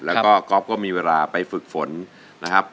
แล้วก็ก๊อฟก็มีเวลาไปฝึกฝนนะครับ